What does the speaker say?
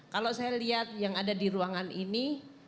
kalau saya lihat yang ada di ruangan ini